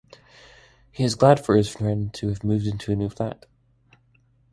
He is glad for his friend to have moved into a new flat.